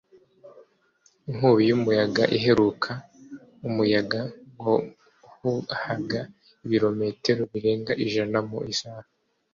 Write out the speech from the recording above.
inkubi y'umuyaga iheruka, umuyaga wahuhaga ibirometero birenga ijana mu isaha